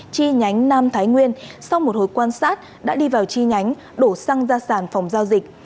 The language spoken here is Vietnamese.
chi nhánh nam thái nguyên sau một hồi quan sát đã đi vào chi nhánh đổ xăng ra sản phòng giao dịch